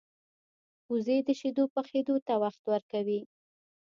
وزې د شیدو پخېدو ته وخت ورکوي